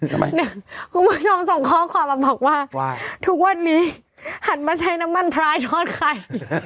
คุณผู้ชมส่งข้อความมาบอกว่าทุกวันนี้หันมาใช้น้ำมันพลายทอดไข่